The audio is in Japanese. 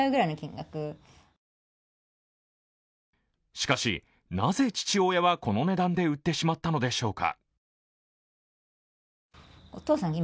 しかしなぜ父親は、この値段で売ってしまったのでしょうか。